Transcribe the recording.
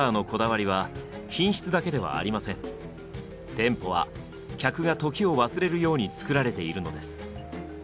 店舗は客が時を忘れるようにつくられているのです。